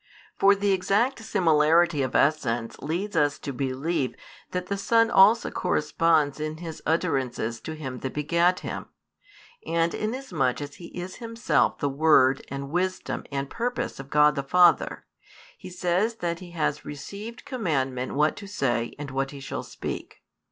For the exact similarity of essence leads us to believe that the Son also corresponds in His utterances to Him that begat Him; and inasmuch as He is Himself the Word and Wisdom and Purpose of God the Father, He says that He has received commandment what to say and what He shall speak.